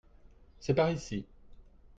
C'est par ici.